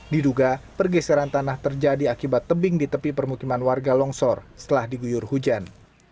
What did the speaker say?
diduga pergeseran tanah terjadi akibat tebing di tepi permukiman warga longsor setelah diguyur hujan